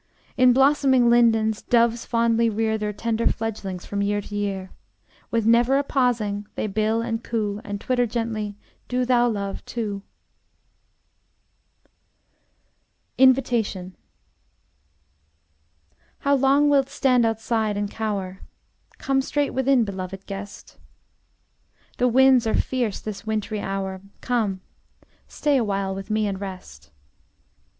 In blossoming lindens Doves fondly rear Their tender fledglings From year to year. With never a pausing, They bill and coo, And twitter gently: "Do thou love, too!" INVITATION How long wilt stand outside and cower? Come straight within, beloved guest. The winds are fierce this wintry hour: Come, stay awhile with me and rest.